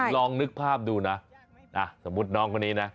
ลองนึกภาพดูนะสมมุติน้องคนนี้นะ